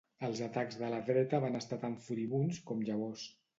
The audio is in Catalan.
Els atacs de la dreta van estar tan furibunds com llavors.